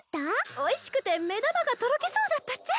おいしくて目玉がとろけそうだったっちゃ。